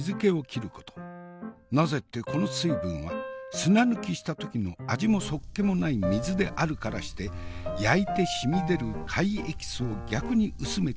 なぜってこの水分は砂抜きした時の味もそっけもない水であるからして焼いてしみ出る貝エキスを逆に薄めてしまうまがい物。